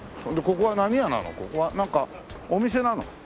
ここはなんかお店なの？